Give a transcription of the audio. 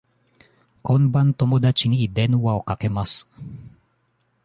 今晩友達に電話をかけます。